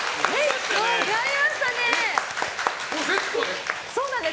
セットで？